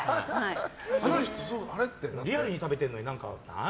リアルに食べてるのにああ？